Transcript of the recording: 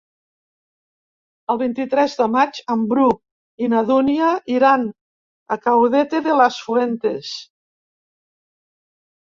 El vint-i-tres de maig en Bru i na Dúnia iran a Caudete de las Fuentes.